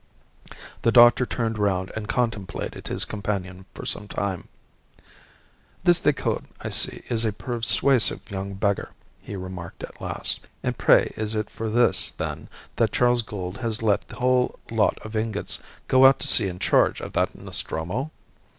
The doctor turned round and contemplated his companion for some time. "This Decoud, I see, is a persuasive young beggar," he remarked at last. "And pray is it for this, then, that Charles Gould has let the whole lot of ingots go out to sea in charge of that Nostromo?"